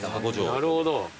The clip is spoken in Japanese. なるほど。